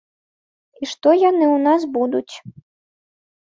І што яны ў нас будуць.